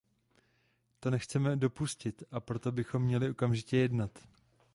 To nechceme dopustit, a proto bychom měli okamžitě jednat.